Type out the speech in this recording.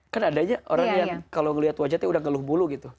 kan adanya orang yang kalau ngeliat wajahnya udah ngeluh bulu gitu